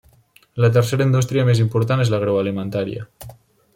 La tercera indústria més important és l'agroalimentària.